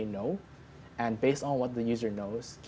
dan berdasarkan apa yang pengguna tahu